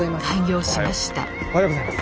おはようございます。